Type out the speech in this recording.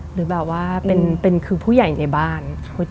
หรือเป็นคือผู้ใหญ่ในบ้าน